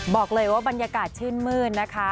บอกเลยว่าบรรยากาศชื่นมืดนะคะ